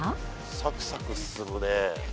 サクサク進むね。